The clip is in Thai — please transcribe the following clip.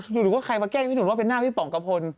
หรือว่าใครมาแกล้งพี่หนุ่มว่าเป็นหน้าพี่ป๋องกระพล